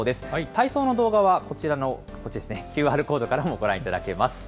体操の動画はこちらのＱＲコードからもご覧いただけます。